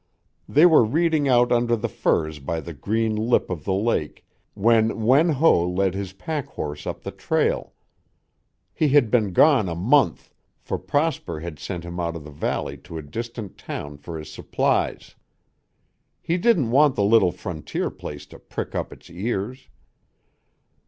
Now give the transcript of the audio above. They were reading out under the firs by the green lip of the lake, when Wen Ho led his pack horse up the trail. He had been gone a month, for Prosper had sent him out of the valley to a distant town for his supplies. He didn't want the little frontier place to prick up its ears.